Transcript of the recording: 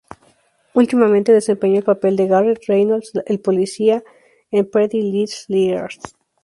Últimamente desempeñó el papel de Garret Reynolds, el policía, en "Pretty Little Liars".